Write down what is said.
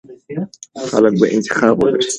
خلک به انتخاب ولري.